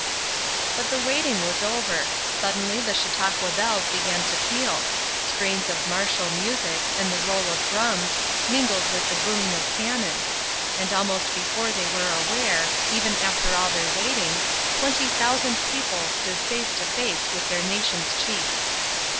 But the waiting was over; suddenly the Chautauqua bells began to peal; strains of martial music, and the roll of drums, mingled with the booming of cannon; and almost before they were aware, even after all their waiting, twenty thousand people stood face to face with their nation's chief.